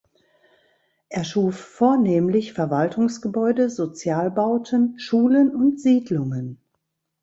Er schuf vornehmlich Verwaltungsgebäude, Sozialbauten, Schulen und Siedlungen.